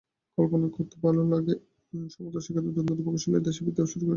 কল্পনা করতে ভালো লাগে, সৈকতের মতো দুর্দান্ত প্রকৌশলীরা দেশে ফিরতে শুরু করেছে।